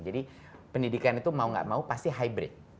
jadi pendidikan itu mau nggak mau pasti hybrid